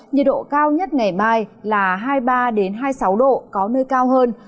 nhiệt độ cao nhất ngày mai là hai mươi ba hai mươi sáu độ có nơi cao hơn